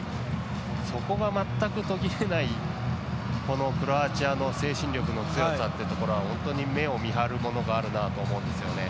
そこが、全く途切れないクロアチアの精神力の強さというところは本当に目を見張るものがあるなと思うんですね。